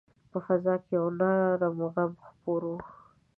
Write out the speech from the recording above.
په فضا کې یو نرم غم خپور وي